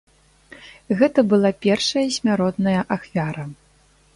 Гэта была першая смяротная ахвяра.